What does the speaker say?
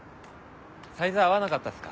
サイズ合わなかったっすか？